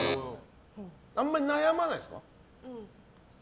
あまり悩まないですか。